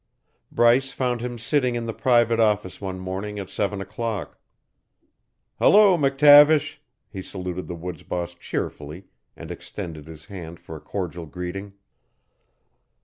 Bryce found him sitting in the private office one morning at seven o'clock. "Hello, McTavish," he saluted the woods boss cheerfully and extended his hand for a cordial greeting.